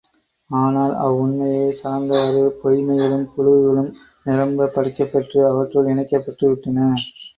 ஆனால் அவ்வுண்மையைச் சார்ந்தவாறு பொய்ம்மைகளும் புளுகுகளும் நிரம்பப் படைக்கப் பெற்று அவற்றுள் இணைக்கப் பெற்றுவிட்டன.